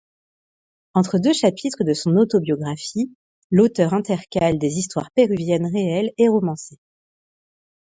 Entre deux chapitres de son autobiographie, l'auteur intercale des histoires péruviennes réelles et romancées.